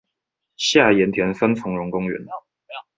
下鹽田三欉榕公園